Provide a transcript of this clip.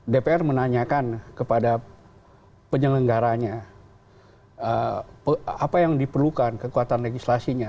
dpr menanyakan kepada penyelenggaranya apa yang diperlukan kekuatan legislasinya